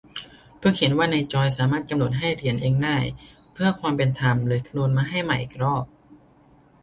เพิ่งเห็นว่าในจอยสามารถกำหนดให้เหรียญเองได้ เพื่อความเป็นธรรมเลยคำนวนมาให้ใหม่อีกรอบ